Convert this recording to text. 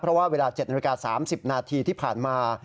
เพราะว่าเวลา๗นาฬิกา๓๐นาทีที่ผ่านมา